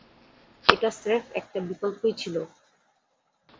এটা স্রেফ একটা বিকল্পই ছিল।